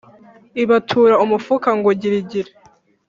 ibatura umufuka ngo girigiri…!